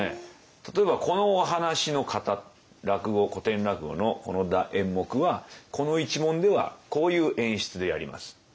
例えばこのお話の型落語古典落語のこの演目はこの一門ではこういう演出でやります。